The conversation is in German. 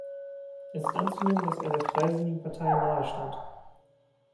Es ist anzunehmen, dass er der Freisinnigen Partei nahestand.